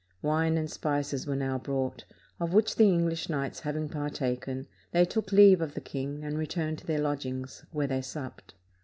Wine and spices were now brought, of which the English knights having partaken, they took leave of the king and returned to their lodgings, where they supped.